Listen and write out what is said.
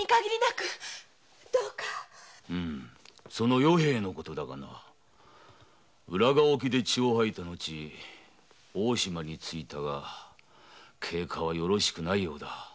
ところでその与平のことだが浦賀沖で血を吐いた後大島に着いたが経過はよろしくないようだ。